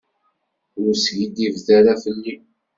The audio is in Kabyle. Ur skiddibet ara fell-i.